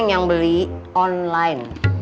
neng yang beli online